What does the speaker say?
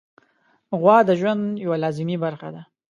غوا د ژوند یوه لازمي برخه ده.